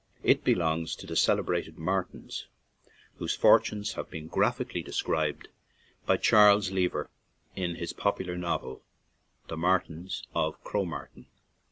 It belongs to the celebrated Martins, whose fortunes have been graph ically described by Charles Lever in his popular novel, The Martins of Cro Martin.